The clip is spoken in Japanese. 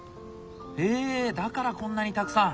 へえだからこんなにたくさん？